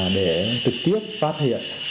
để trực tiếp phát hiện